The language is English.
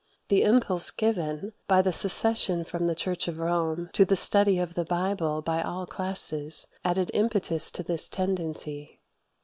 The impulse given by the secession from the Church of Rome to the study of the Bible by all classes added impetus to this tendency.